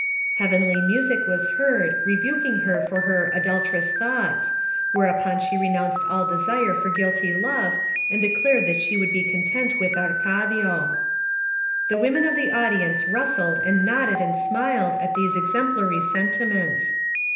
Heavenly music was heard, rebuking her for her "adulterous thoughts/' whereupon she renounced all desire for guilty love and declared that she would be content with Arcadio, The women of the audience rustled and nodded and smiled at these exemplary sentiments.